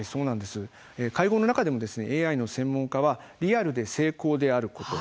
会合の中でもＡＩの専門家はリアルで精巧であること